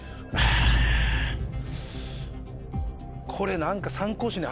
これ何か。